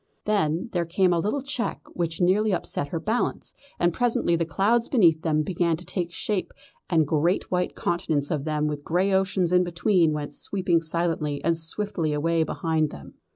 Then there came a little check which nearly upset her balance, and presently the clouds beneath them began to take shape and great white continents of them with grey oceans in between went sweeping silently and swiftly away behind them.